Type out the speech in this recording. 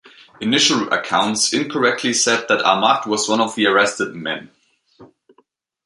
Initial accounts incorrectly said that Ahmad was one of the arrested men.